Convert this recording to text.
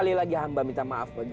namun baginda yang buhhh